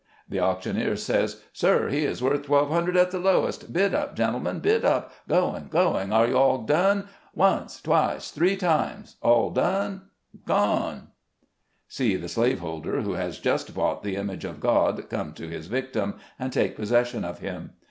The auctioneer says, "Sir, he is worth twelve hundred at the lowest. Bid up, gentlemen, bid up; going, going — are you SLAVES ON THE AUCTION BLOCK. 185 all done? — once, twice, three times — all done? — gone !" See the slave holder, who has just bought the image of God, come to his victim, and take posses sion of him.